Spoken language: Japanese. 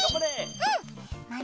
うん。